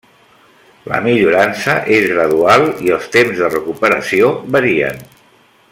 La millorança és gradual i els temps de recuperació varien.